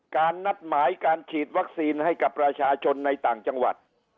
นัดหมายการฉีดวัคซีนให้กับประชาชนในต่างจังหวัด